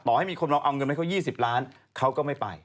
ให้มีคนลองเอาเงินให้เขา๒๐ล้านเขาก็ไม่ไป